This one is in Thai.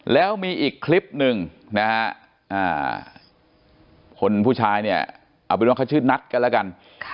แล้วมีอีกคลิปหนึ่งนะฮะคนผู้ชายเนี่ยเอาเป็นว่าเขาชื่อนัทกันแล้วกัน